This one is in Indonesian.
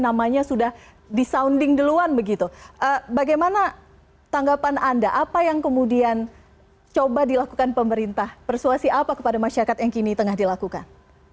namanya sudah disounding duluan begitu bagaimana tanggapan anda apa yang kemudian coba dilakukan pemerintah persuasi apa kepada masyarakat yang kini tengah dilakukan